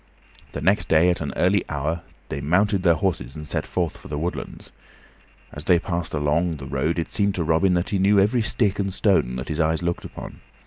The next day at an early hour they mounted their horses and set forth for the woodlands. As they passed along the road it seemed to Robin that he knew every stick and stone that his eyes looked upon.